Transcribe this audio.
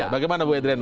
bagaimana bu edriana